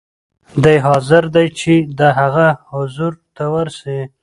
دی حاضر دی چې د هغه حضور ته ورسي.